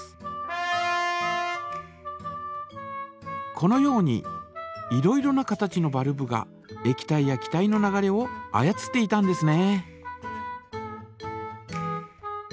このようにいろいろな形のバルブがえき体や気体の流れを操っていたんですね。